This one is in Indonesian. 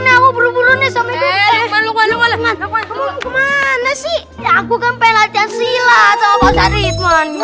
aku kemana sih aku ke latihan silat